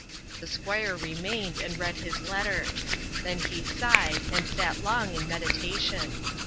The Squire remained, and read his letter. Then he sighed, and sat long in meditation.